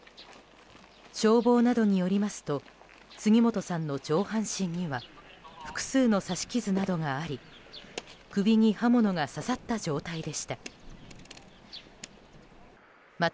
消防などによりますと杉本さんの上半身には複数の刺し傷などがあり首に刃物が刺さった状態でした。